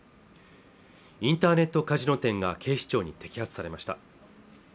インターネットカジノ店が警視庁に摘発されました